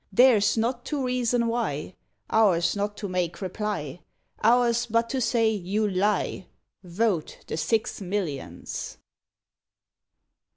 Theirs not to reason why. Ours not to make reply. Ours but to say, '' You lie '— Vote the six millions."